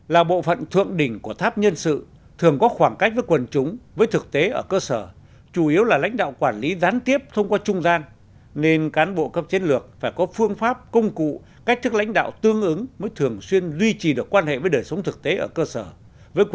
là bộ phận thượng đỉnh của tháp nhân sự thường có khoảng cách với quần chúng với thực tế ở cơ sở chủ yếu là lãnh đạo quản lý gián tiếp thông qua trung gian nên cán bộ cấp chiến lược phải có phương pháp công cụ cách thức lãnh đạo tương ứng mới thường xuyên duy trì được quan hệ với đời sống thực tế ở cơ sở